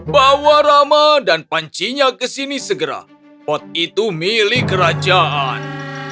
bawa rama dan pancinya kesini segera pot itu milik kerajaan